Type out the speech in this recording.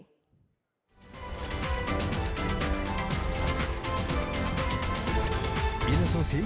kita ingin mengperoleh